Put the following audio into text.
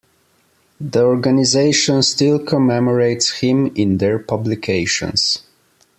The organisation still commemorates him in their publications.